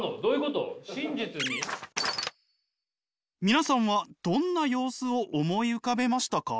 皆さんはどんな様子を思い浮かべましたか？